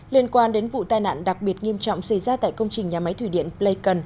liên quan đến vụ tai nạn đặc biệt nghiêm trọng xảy ra tại công trình nhà máy thủy điện pleikon